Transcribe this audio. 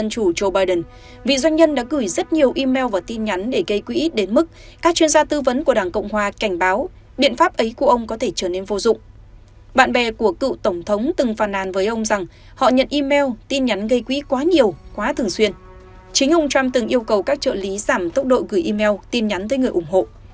nhưng ông trump từng yêu cầu các trợ lý giảm tốc độ gửi email tin nhắn tới người ủng hộ